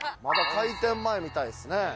まだ開店前みたいですね。